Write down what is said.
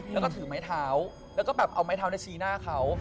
แล้วก็ถือไม้เท้าแล้วก็แบบเอาไม้เท้าชี้หน้าเขา